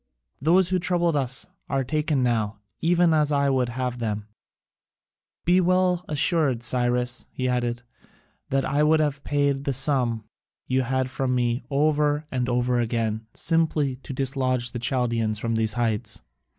Those who troubled us are taken now, even as I would have them. Be well assured, Cyrus," he added, "that I would have paid the sum you had from me over and over again simply to dislodge the Chaldaeans from these heights.